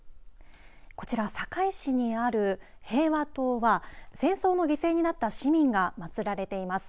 こちら堺市にある平和塔は戦争の犠牲になった市民が祭られています。